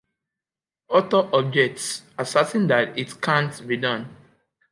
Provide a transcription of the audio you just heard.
Arthur objects, asserting that it can't be done!